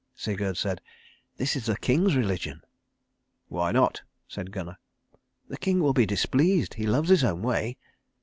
Sigurd said, "This is the king's religion." "Why not?" said Gunnar. "The king will be displeased. He loves his own way."